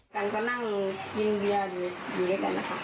กันก็นั่งกินเวียดอยู่ที่เกรกั้นนะคะ